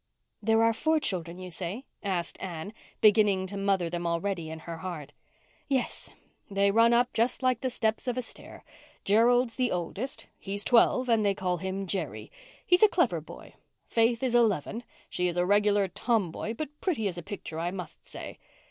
"There are four children, you say?" asked Anne, beginning to mother them already in her heart. "Yes. They run up just like the steps of a stair. Gerald's the oldest. He's twelve and they call him Jerry. He's a clever boy. Faith is eleven. She is a regular tomboy but pretty as a picture, I must say."